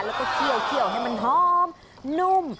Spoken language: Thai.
แล้วก็เคี่ยวให้มันหอมนุ่ม